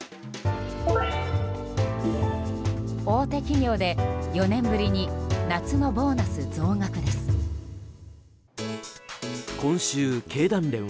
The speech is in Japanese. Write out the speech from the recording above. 大手企業で４年ぶりに夏のボーナス増額です。